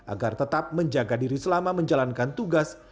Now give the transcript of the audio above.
agar tetap menjaga diri selama menjalankan tugas